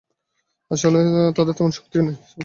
আসলে তাদের তেমন শক্তি-সামর্থ্য নেই।